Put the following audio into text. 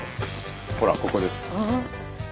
ほらここです。